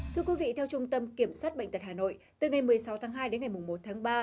thưa quý vị theo trung tâm kiểm soát bệnh tật hà nội từ ngày một mươi sáu tháng hai đến ngày một tháng ba